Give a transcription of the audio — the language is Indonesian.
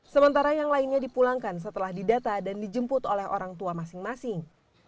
sementara yang lainnya dipulangkan setelah didata dan dijemput oleh orang tua masing masing